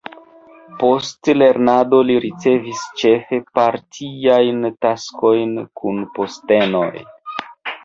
Post lernado li ricevis ĉefe partiajn taskojn kun postenoj.